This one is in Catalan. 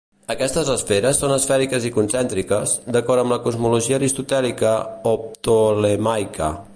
Aquestes esferes són esfèriques i concèntriques, d'acord amb la cosmologia aristotèlica o ptolemaica.